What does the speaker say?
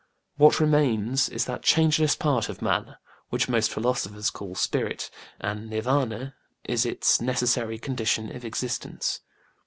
What remains is that changeless part of man, which most philosophers call Spirit, and NirvÄnĖĢa is its necessary condition of existence.